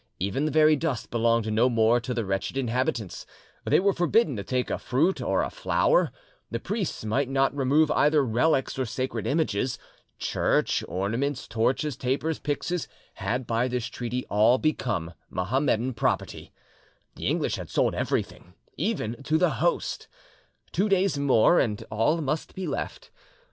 Even the very dust belonged no more to the wretched inhabitants; they were forbidden to take a fruit or a flower, the priests might not remove either relics or sacred images. Church, ornaments, torches, tapers, pyxes, had by this treaty all become Mahommedan property. The English had sold everything, even to the Host! Two days more, and all must be left.